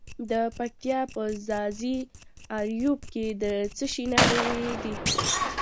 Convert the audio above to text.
د پکتیا په ځاځي اریوب کې د څه شي نښې دي؟